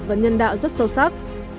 và nhân đạo rất sâu sắc